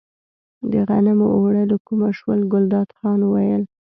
د غنمو اوړه له کومه شول، ګلداد خان وویل.